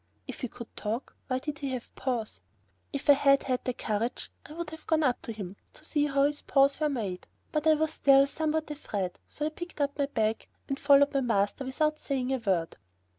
If he could talk, why did he have paws? If I had had the courage, I would have gone up to him to see how his paws were made, but I was still somewhat afraid, so I picked up my bag and followed my master, without saying a word.